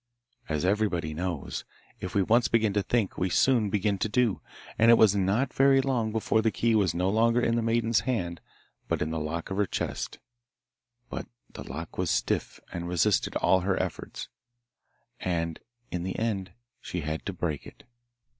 As everybody knows, if we once begin to think we soon begin to do, and it was not very long before the key was no longer in the maiden's hand but in the lock of the chest. But the lock was stiff and resisted all her efforts, and in the end she had to break it.